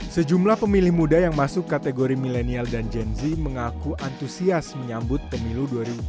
sejumlah pemilih muda yang masuk kategori milenial dan gen z mengaku antusias menyambut pemilu dua ribu dua puluh